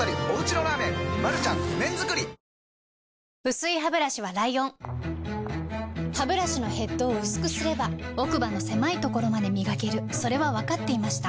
薄いハブラシはライオンハブラシのヘッドを薄くすれば奥歯の狭いところまで磨けるそれは分かっていました